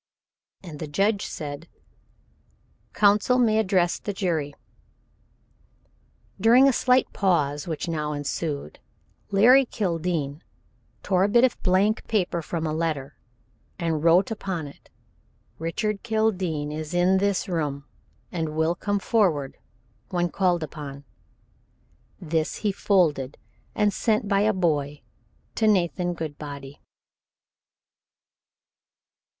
And the judge said: "Counsel may address the jury." During a slight pause which now ensued Larry Kildene tore a bit of blank paper from a letter and wrote upon it: "Richard Kildene is in this room and will come forward when called upon." This he folded and sent by a boy to Nathan Goodbody.